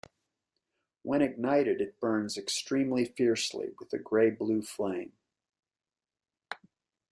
When ignited it burns extremely fiercely with a gray-blue flame.